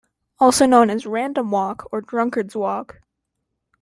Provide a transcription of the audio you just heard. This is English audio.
Also known as "random walk" or "drunkard's walk".